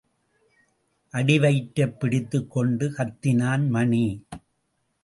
அடிவயிற்றைப் பிடித்துக் கொண்டு கத்தினான் மணி.